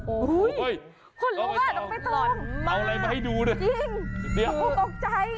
โอ้ยคนลุกอ่ะต้องไปตรงมากเอาอะไรมาให้ดูด้วยจริงดูโกรธใจ